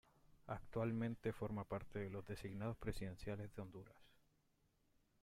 Actualmente forma parte de los Designados Presidenciales de Honduras.